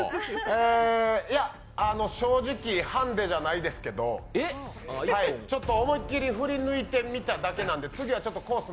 え、いや正直、ハンデじゃないですけど、思いっきり振り抜いてみただけなんで次はちょっとコース